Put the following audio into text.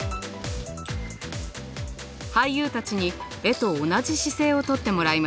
俳優たちに絵と同じ姿勢をとってもらいます。